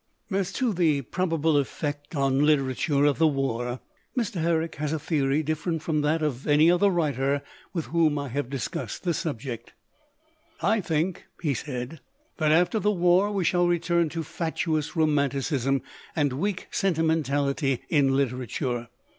As to the probable effect on literature of the war, Mr. Herrick has a theory different from that of any other writer with whom I have discussed the subject. "I think," he said, "that after the war we shall return to fatuous romanticism and weak senti mentality in literature.